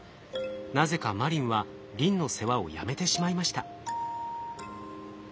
なぜかマリンはリンの世話をやめてしまいました。